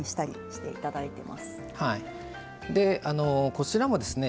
こちらもですね